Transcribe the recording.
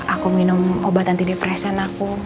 aku minum obat anti depresen aku